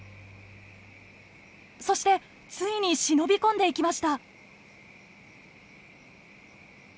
そしてついに忍び込んでいきました。